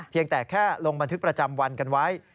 แต่แค่ลงบันทึกประจำวันกันไว้